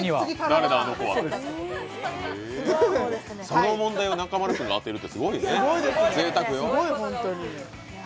その問題を中丸君が当てるってすごいね、ぜいたくなことよ。